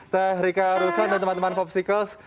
teh rika ruslan dan teman teman popsicles